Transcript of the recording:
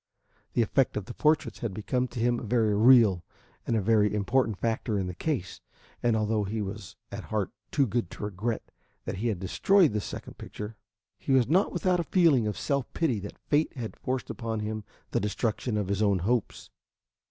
The effect of the portraits had become to him a very real and a very important factor in the case, and although he was at heart too good to regret that he had destroyed the second picture, he was not without a feeling of self pity that fate had forced upon him the destruction of his own hopes.